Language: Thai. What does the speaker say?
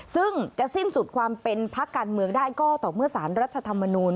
ซึ่งจะสิ้นสุดความเป็นพักการเมืองได้ก็ต่อเมื่อสารรัฐธรรมนูล